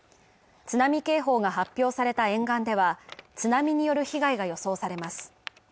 津波警報が発表された沿岸では、津波による被害が予想されます。